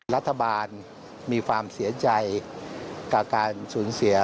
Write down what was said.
รัฐบาลมีความเสียใจกับการสูญเสีย